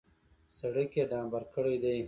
سړک یې ډامبر کړی دی.